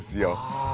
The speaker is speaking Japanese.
ああ。